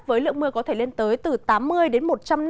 với lượng mưa có thể lên tới từ tám mươi đến một trăm năm mươi